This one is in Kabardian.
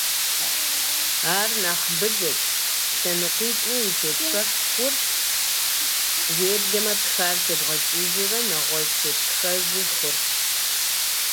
Ар нэхъ быдэт, лъэныкъуитӏми утетхыхь хъурт, уеблэмэ птхар тебгъэкӏыжурэ нэгъуэщӏ тептхэжи хъурт.